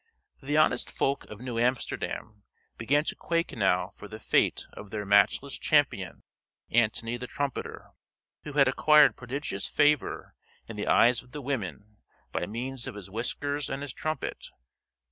The honest folk of New Amsterdam began to quake now for the fate of their matchless champion, Antony the Trumpeter, who had acquired prodigious favor in the eyes of the women by means of his whiskers and his trumpet.